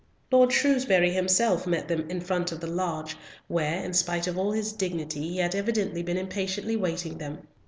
Lord Shrewsbury himself met them in front of the lodge, where, in spite of all his dignity, he had evidently been impatiently awaiting them.